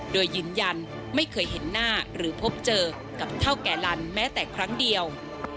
โดยยืนยันไม่เคยเห็นหน้าหรือพบเจอกับเท่าแก่ลันแม้แต่ครั้งเดียว